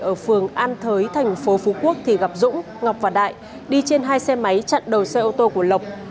ở phường an thới thành phố phú quốc thì gặp dũng ngọc và đại đi trên hai xe máy chặn đầu xe ô tô của lộc